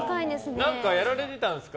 何かやられてたんですか？